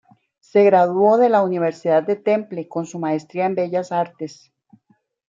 Se graduó de la Universidad de Temple, con su maestría en Bellas Artes.